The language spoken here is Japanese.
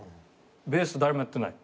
ベース誰もやってない。